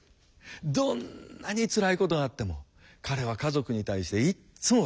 どんなにつらいことがあっても彼は家族に対していつも笑っている。